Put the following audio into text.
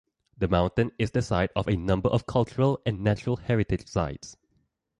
The mountain is the site of a number of cultural and natural heritage sites.